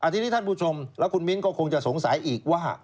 ทีนี้ท่านผู้ชมและคุณมิ้นก็คงจะสงสัยอีกว่า